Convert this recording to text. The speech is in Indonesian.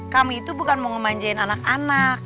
kami itu bukan mau ngemanjain anak anak